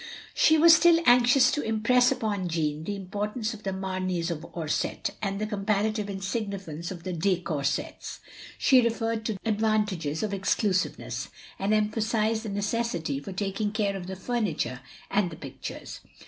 She was still anxious to impress upon Jeanne the importance of the Mameys of Orsett, and the comparative insignificance of the de Coursets; she referred to the advantages of exclusiveness ; and emphasised the necessity for taking care of the furniture and the picttires.